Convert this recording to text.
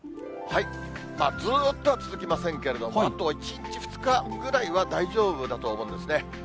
ずっとは続きませんけれども、あと１日、２日ぐらいは大丈夫だと思うんですね。